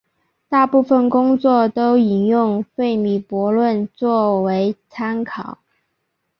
大部分工作都引用费米悖论作为参考。